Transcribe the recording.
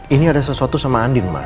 ini ada sesuatu sama andien ma